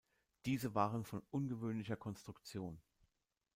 Diese waren von ungewöhnlicher Konstruktion.